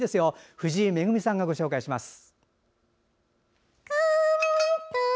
藤井恵さんがご紹介します。